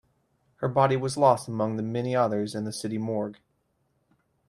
Her body was lost among the many others in the city morgue.